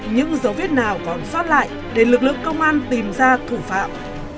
những dấu viết nào còn xót lại để lực lượng công an tìm ra thủ phạm